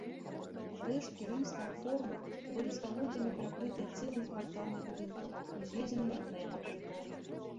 Рэшткі рымскага форума былі стагоддзямі перакрытыя цэлымі кварталамі будынкаў, узведзенымі на яго тэрыторыі.